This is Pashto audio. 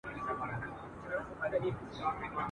او په تیرو وختونو کي